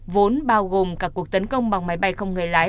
vốn bao gồm cả cuộc tấn công bằng máy bay không người lái